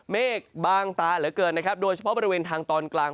เมฆบางตาเหลือเกินนะครับโดยเฉพาะบริเวณทางตอนกลาง